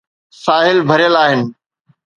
ساحل ڀريل آهن.